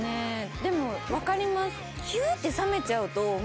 でもわかります。